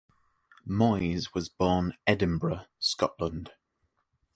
Moyes was born Edinburgh, Scotland.